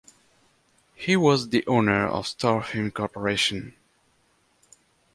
He was the owner of Star Film Corporation.